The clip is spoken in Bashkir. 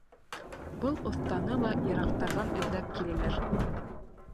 Был оҫтаны ла йыраҡтарҙан эҙләп киләләр.